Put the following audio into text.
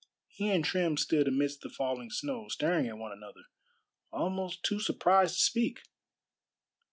He and Trim stood amidst the falling snow, staring at one another, almost too surprised to speak.